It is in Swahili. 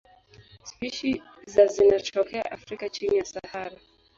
Spishi za zinatokea Afrika chini ya Sahara.